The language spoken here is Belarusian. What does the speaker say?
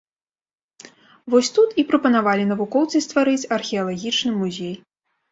Вось тут і прапанавалі навукоўцы стварыць археалагічны музей.